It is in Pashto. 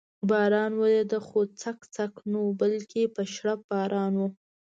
باران ورېده، خو څک څک نه و، بلکې په شړپ باران و.